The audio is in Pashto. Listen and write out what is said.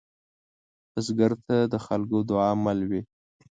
بزګر ته د خلکو دعاء مل وي